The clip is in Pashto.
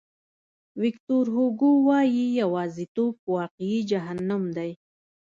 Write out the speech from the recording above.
ویکتور هوګو وایي یوازیتوب واقعي جهنم دی.